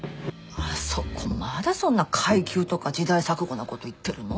あそこまだそんな階級とか時代錯誤なこと言ってるの？